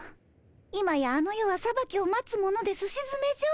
今やあの世はさばきを待つ者ですしづめじょうたい。